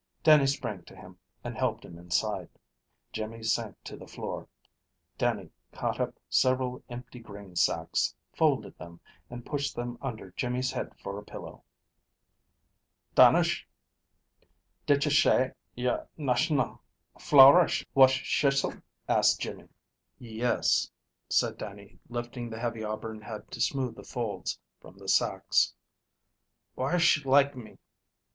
Dannie sprang to him, and helped him inside. Jimmy sank to the floor. Dannie caught up several empty grain sacks, folded them, and pushed them under Jimmy's head for a pillow. "Dannish, didsh shay y'r nash'nal flowerish wash shisle?" asked Jimmy. "Yes," said Dannie, lifting the heavy auburn head to smooth the folds from the sacks. "Whysh like me?"